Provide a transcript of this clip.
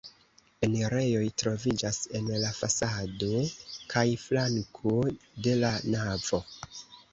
Enirejoj troviĝas en la fasado kaj flanko de la navo.